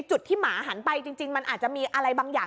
จุดที่หมาหันไปจริงมันอาจจะมีอะไรบางอย่าง